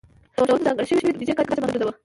نوښتونو ته ځانګړې شوې بودیجې کچه محدوده وه.